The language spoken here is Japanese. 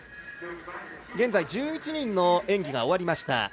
現在１１人の演技が終わりました。